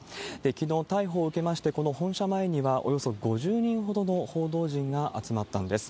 きのう、逮捕を受けまして、この本社前には、およそ５０人ほどの報道陣が集まったんです。